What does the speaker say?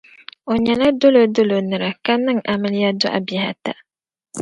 O nyɛla dolo dolo nira ka niŋ amiliya dɔɣi bihi ata.